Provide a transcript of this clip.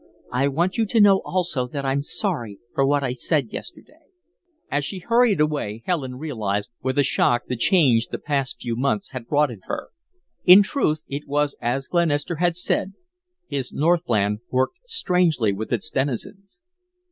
I want you to know also that I'm sorry for what I said yesterday." As she hurried away, Helen realized with a shock the change that the past few months had wrought in her. In truth, it was as Glenister had said, his Northland worked strangely with its denizens.